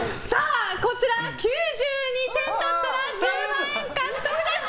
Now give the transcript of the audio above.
こちら、９２点だったら１０万円獲得です！